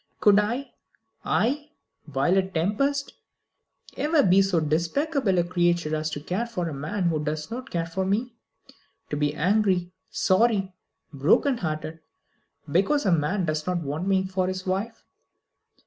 "Could I I Violet Tempest ever be so despicable a creature as to care for a man who does not care for me; to be angry, sorry, broken hearted, because a man does not want me for his wife?